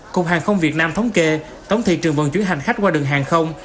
cục hàng không việt nam thống kê tổng thị trường vận chuyển hành khách qua đường hàng không